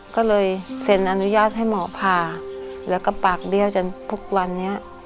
ก็เลยเซ็นอนุญาตให้หมอผ่าแล้วก็ปากเบี้ยวจนทุกวันนี้